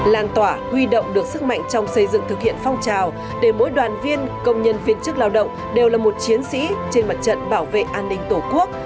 lan tỏa huy động được sức mạnh trong xây dựng thực hiện phong trào để mỗi đoàn viên công nhân viên chức lao động đều là một chiến sĩ trên mặt trận bảo vệ an ninh tổ quốc